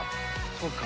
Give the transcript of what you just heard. そうか。